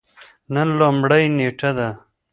نن لومړۍ نیټه ده